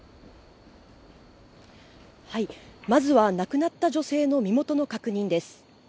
まずは亡くなった女性の身元の確認です。